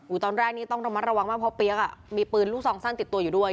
ตอนแรกนี้ต้องระมัดระวังมากเพราะเปี๊ยกอ่ะมีปืนลูกซองสั้นติดตัวอยู่ด้วย